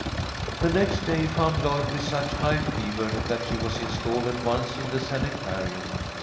The next day found Lloyd with such high fever that she was installed at once in the sanitarium.